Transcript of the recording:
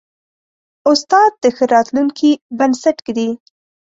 استاد د ښه راتلونکي بنسټ ایږدي.